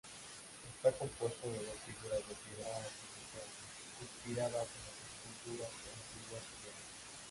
Está compuesto de dos figuras de piedra artificial, inspiradas en las esculturas antiguas griegas.